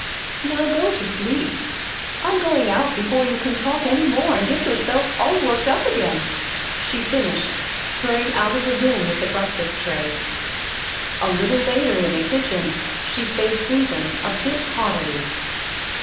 Now go to sleep. I'm going out before you can talk any more, and get yourself all worked up again," she finished, hurrying out of the room with the breakfast tray. A little later in the kitchen she faced Susan a bit haughtily.